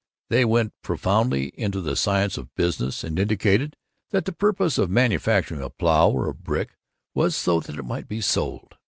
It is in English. They went profoundly into the science of business, and indicated that the purpose of manufacturing a plow or a brick was so that it might be sold.